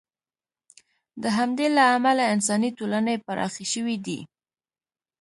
د همدې له امله انساني ټولنې پراخې شوې دي.